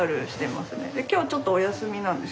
で今日はちょっとお休みなんですけど。